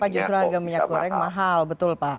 iya kenapa justru harga minyak goreng mahal betul pak